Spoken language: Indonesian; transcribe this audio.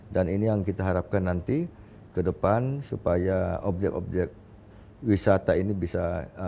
dan ini yang kita harapkan nanti ke depan supaya objek objek wisata ini bisa